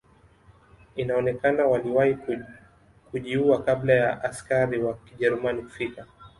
Inaonekana waliwahi kujiua kabla ya askari wa kijerumani kufika